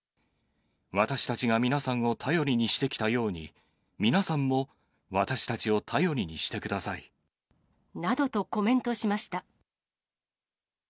私たちが皆さんを頼りにしてきたように、皆さんも私たちを頼りにしてください。などとコメントしました。